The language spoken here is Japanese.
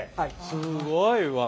すごいわ。